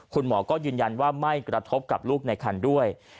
คุณหมอก็ยืนยันว่าไม่กระทบกับลูกในคันด้วย